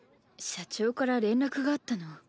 社長から連絡があったの。